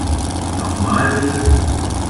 Noch mal, bitte.